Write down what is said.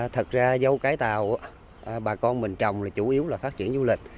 thật ra dâu cái tàu bà con mình trồng là chủ yếu là phát triển du lịch